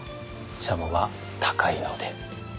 しゃもは高いので。